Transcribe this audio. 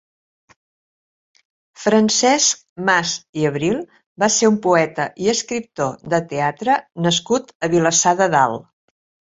Francesc Mas i Abril va ser un poeta i escriptor de teatre nascut a Vilassar de Dalt.